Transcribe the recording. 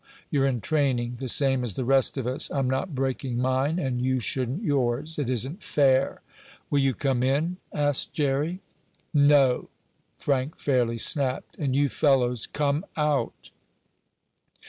You're in training, the same as the rest of us. I'm not breaking mine, and you shouldn't yours. It isn't fair." "Will you come in?" asked Jerry. "No!" Frank fairly snapped. "And you fellows come out!"